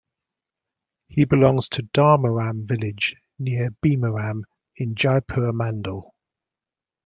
He belongs to Dharmaram village near Bheemaram in Jaipur Mandal.